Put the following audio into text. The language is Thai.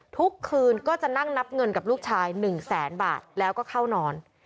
ทุกคืนก็จะนั่งนับเงินกับลูกชาย๑แสนบาทแล้วก็เข้านอน